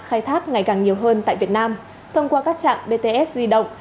khai thác ngày càng nhiều hơn tại việt nam thông qua các trạm bts di động